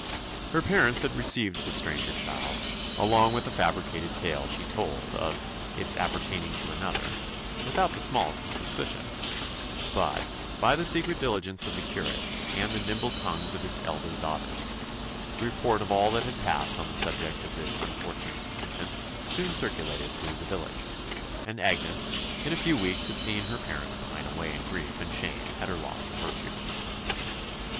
Her parents had received the stranger child, along with a fabricated tale she told "of its appertaining to another," without the smallest suspicion; but, by the secret diligence of the curate, and the nimble tongues of his elder daughters, the report of all that had passed on the subject of this unfortunate infant soon circulated through the village; and Agnes in a few weeks had seen her parents pine away in grief and shame at her loss of virtue.